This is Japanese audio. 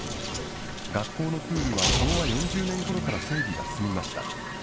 学校のプールは昭和４０年ごろから整備が進みました。